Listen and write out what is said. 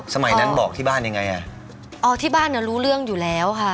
สมัยนั้นบอกที่บ้านยังไงอ่ะอ๋อที่บ้านเนี้ยรู้เรื่องอยู่แล้วค่ะ